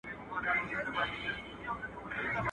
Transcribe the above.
د دوو روپو بيزو وه، د شلو روپو ځنځير ئې يووی.